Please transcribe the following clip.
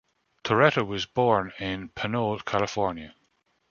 Torretta was born in Pinole, California.